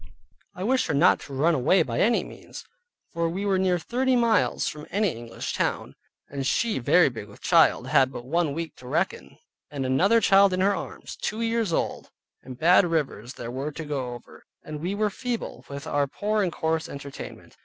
I wished her not to run away by any means, for we were near thirty miles from any English town, and she very big with child, and had but one week to reckon, and another child in her arms, two years old, and bad rivers there were to go over, and we were feeble, with our poor and coarse entertainment.